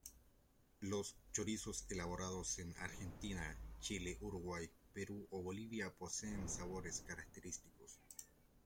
Los chorizos elaborados en Argentina, Chile, Uruguay, Perú o Bolivia poseen sabores característicos.